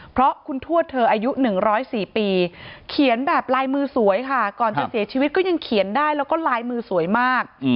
เพราะคุณทวดเธออายุ๑๐๔ปีเขียนแบบลายมือสวยค่ะก่อนจะเสียชีวิตก็ยังเขียนได้แล้วก็ลายมือสวยมาก